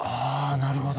あなるほど。